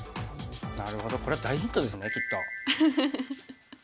なるほどこれ大ヒントですねきっと。